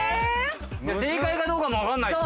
正解かどうかも分かんない。